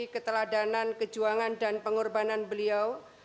keteladanan kejuangan dan pengorbanan beliau